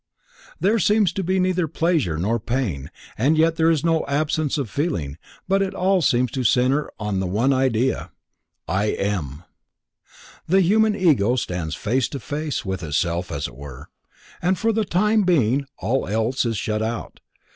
There seems to be neither pleasure nor pain and yet there is no absence of feeling but it all seems to center in the one idea:—"I am"! The human Ego stands face to face with itself as it were, and for the time being all else is shut out.